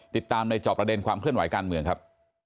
ติดตามในจอบประเด็นความเคลื่อนไหวการเมืองครับ